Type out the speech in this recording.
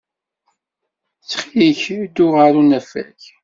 Ttxil-k, ddu ɣer unafag.